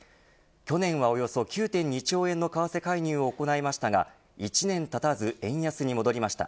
去年はおよそ９．２兆円の為替介入を行いましたが１年たたず、円安に戻りました。